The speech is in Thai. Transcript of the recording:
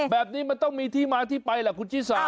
แบบนี้มันต้องมีที่มาที่ไปแหละพุทธศาสตร์